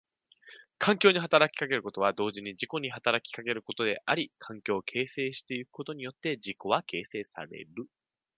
環境に働きかけることは同時に自己に働きかけることであり、環境を形成してゆくことによって自己は形成される。